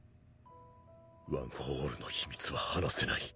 ワン・フォー・オールの秘密は話せない